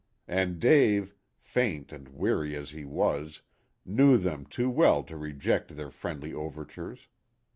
And Dave, faint and weary as he was, knew them too well to reject their friendly overtures.